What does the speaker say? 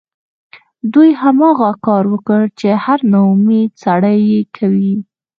دوی هماغه کار وکړ چې هر ناامیده سړی یې کوي